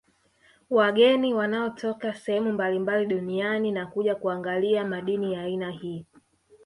Wageni wanatoka sehemu mablimbali duniani na kuja kuangalia madini ya aina hii